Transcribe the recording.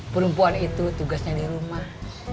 perempuan itu tugasnya di rumah